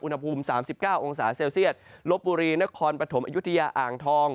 อุณหภูมิ๓๙องศาเซลเซียตลบบุรีนครปฐมอายุทยาอ่างทอง